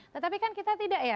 tetapi kan kita tidak ya